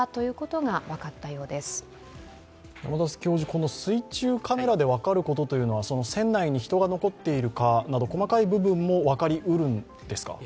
この水中カメラで分かることは船内に人が残っているかなど細かい部分も分かりうるんですか。